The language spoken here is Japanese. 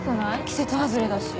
季節外れだし。